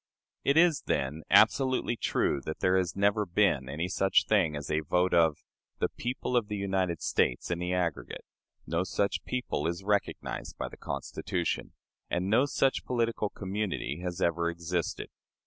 It is, then, absolutely true that there has never been any such thing as a vote of "the people of the United States in the aggregate"; no such people is recognized by the Constitution; and no such political community has ever existed.